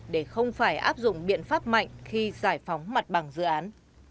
để không phải áp dụng biện pháp mạnh khi giải phóng mặt bằng dự án